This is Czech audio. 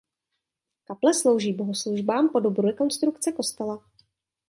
Kaple slouží bohoslužbám po dobu rekonstrukce kostela.